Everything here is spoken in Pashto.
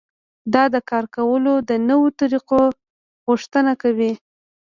دا د کار کولو د نويو طريقو غوښتنه کوي.